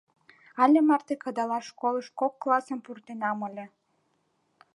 Але марте кыдалаш школыш кок классым пуртенам ыле.